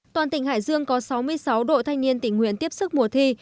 toàn tỉnh hải dương có sáu mươi sáu đội thanh niên tình nguyện tiếp sức mùa thi